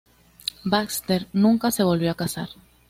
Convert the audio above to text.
Baxter nunca se volvió a casar.